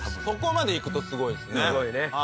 そこまでいくとすごいですね。